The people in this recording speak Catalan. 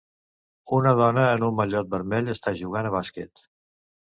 Una dona en un mallot vermell està jugant a bàsquet